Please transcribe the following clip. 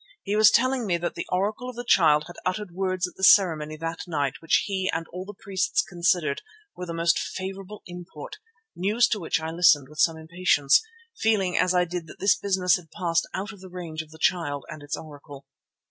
He was telling me that the Oracle of the Child had uttered words at the ceremony that night which he and all the priests considered were of the most favourable import, news to which I listened with some impatience, feeling as I did that this business had passed out of the range of the Child and its Oracle.